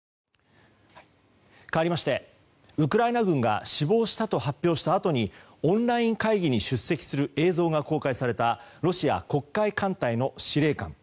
かわりましてウクライナ軍が死亡したと発表したあとにオンライン会議に出席する映像が公開されたロシア黒海艦隊の司令官。